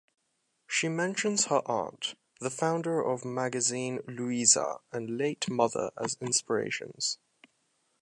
She mentions her aunt (the founder of Magazine Luiza) and late mother as inspirations.